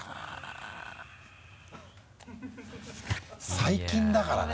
最近だからな。